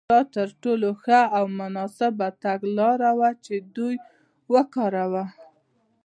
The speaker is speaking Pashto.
دا تر ټولو ښه او مناسبه تګلاره وه چې دوی وکارول.